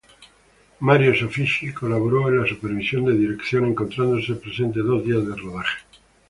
Mario Soffici colaboró en la supervisión de dirección encontrándose presente dos días de rodaje.